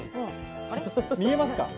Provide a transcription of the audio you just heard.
見えますか？